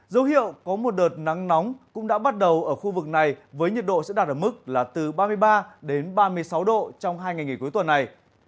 dấu hiệu có một đợt nắng nóng cũng đã bắt đầu ở khu vực này với nhiệt độ sẽ đạt ở mức là từ ba mươi ba đến ba mươi sáu độ trong hai ngày nghỉ cuối tuần này